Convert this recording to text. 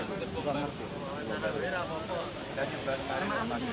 di tempat yang asli di jemaah